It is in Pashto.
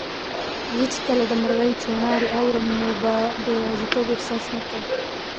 زه چي کله د مرغیو چوڼاری اورم، نو به د یوازیتوب احساس نه کوم